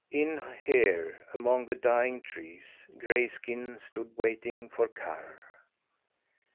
In there, among the dying trees, Grayskin stood waiting for Karr.